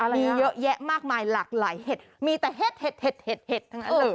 มีเยอะแยะมากมายหลากหลายเห็ดมีแต่เห็ดเห็ดทั้งนั้นเลย